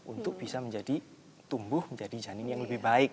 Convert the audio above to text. untuk bisa menjadi tumbuh menjadi janin yang lebih baik